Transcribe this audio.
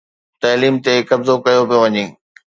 تعليم تي قبضو ڪيو پيو وڃي.